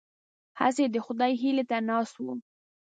هسې د خدای هیلې ته ناست وو.